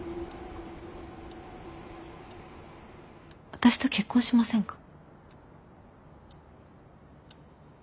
私と結婚しませんか。